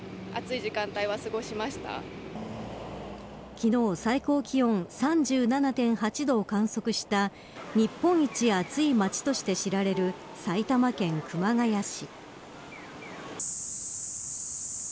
昨日、最高気温３７．８度を観測した日本一暑い町として知られる埼玉県熊谷市。